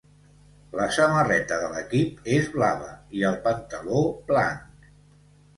La samarreta de l'equip és blava i el pantaló blanc.